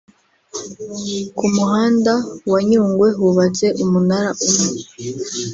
Ku muhanda wa Nyungwe hubatse umunara umwe